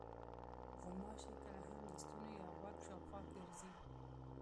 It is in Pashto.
غوماشې کله هم د ستوني یا غوږ شاوخوا ګرځي.